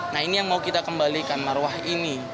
nah ini yang mau kita kembalikan marwah ini